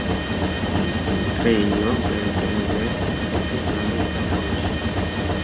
La koncentrejo Bergen-Belsen estis nomita laŭ ĝi.